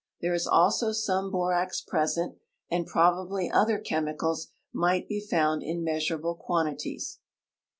There is also some borax present, and probably other chemicals might be found in measurable quantities.